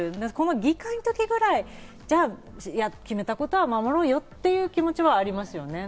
議会の時ぐらい決めたことは守ろうよっていう気持ちはありますね。